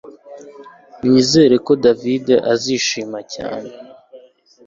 Nizere ko David azishima cyane